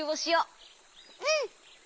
うん！